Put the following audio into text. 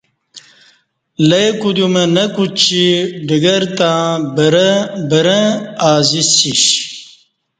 لے کودیوم نہ کوچی ڈگرہ تں برں ازی سیش